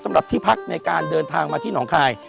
สำหรับที่พักในการเดินทางมาที่หนองคาย